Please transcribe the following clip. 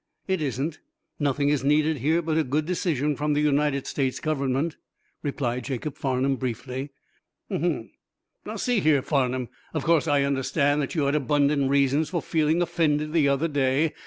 "It isn't. Nothing is needed here but a good decision from the United States Government," replied Jacob Farnum, briefly. "Ahem! Now, see here, Farnum, of course I understand that you had abundant reasons for feeling offended the other day.